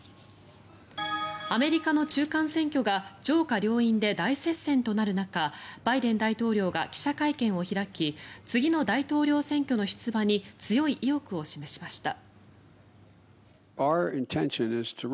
アメリカの中間選挙が上下両院で大接戦となる中バイデン大統領が記者会見を開き次の大統領選挙の出馬に強い意欲を示しました。